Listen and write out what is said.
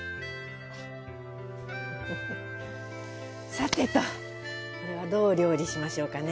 さてとこれはどう料理しましょうかね？